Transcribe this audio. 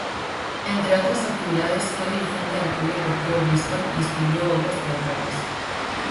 Entre otras actividades, fue dirigente del club deportivo Bristol, y escribió obras teatrales.